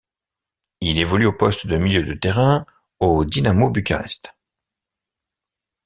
Il évolue au poste de milieu de terrain au Dinamo Bucarest.